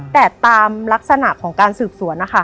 แต่ตามลักษณะของการสืบสวนนะคะ